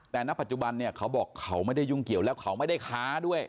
แต่ณปัจจุบันเนี่ยเขาบอกเขาไม่ได้ยุ่งเกี่ยวแล้วเขาไม่ได้ค้าด้วย